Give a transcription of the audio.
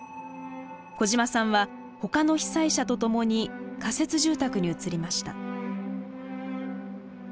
小嶋さんはほかの被災者と共に仮設住宅に移りました。